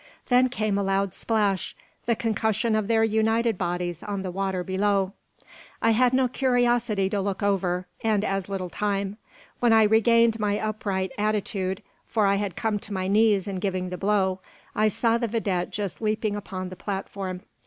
Then came a loud splash, the concussion of their united bodies on the water below! I had no curiosity to look over, and as little time. When I regained my upright attitude (for I had come to my knees in giving the blow), I saw the vidette just leaping upon the platform.